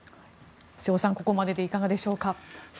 瀬尾さん、ここまででいかがでしょうか。